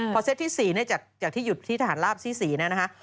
พอเซตที่๔จากที่หยุดที่ทหารลาบที่๔นะครับ